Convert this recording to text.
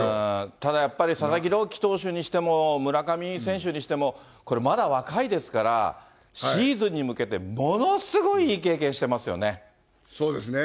ただやっぱり佐々木朗希投手にしても、村上選手にしても、これ、まだ若いですから、シーズンに向けて、そうですね。